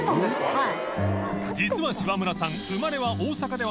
はい。